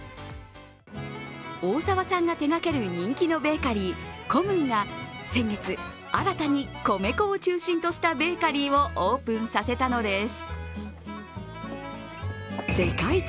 大澤さんが手がける人気のベーカリー、コム・ンが先月、新たに米粉を中心としたベーカリーをオープンさせたのです。